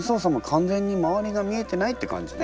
完全に周りが見えてないって感じね。